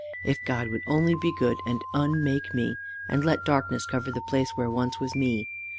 if God would only be good and unmake me, and let darkness cover the place where once was me!